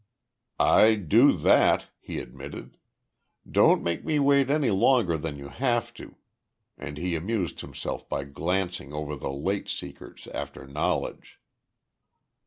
"I do that," he admitted. "Don't make me wait any longer than you have to," and he amused himself by glancing over the late seekers after knowledge.